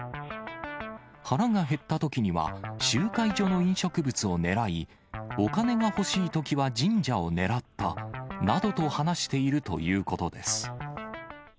腹が減ったときには集会所の飲食物を狙い、お金が欲しいときは神社を狙ったなどと話しているということです。